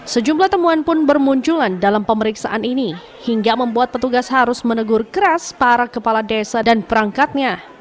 sejumlah temuan pun bermunculan dalam pemeriksaan ini hingga membuat petugas harus menegur keras para kepala desa dan perangkatnya